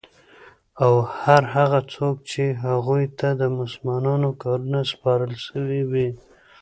او هر هغه څوک چی هغوی ته د مسلمانانو کارونه سپارل سوی وی